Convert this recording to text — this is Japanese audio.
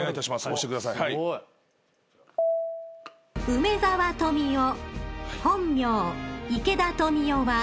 「梅沢富美男」